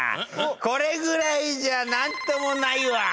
これぐらいじゃ何ともないわ。